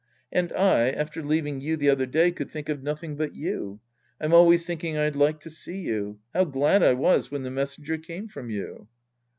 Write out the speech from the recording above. And I, after leaving you the other day, could think of nothing but you. I'm always thinking I'd like to see you. How glad I was when the mes senger came from you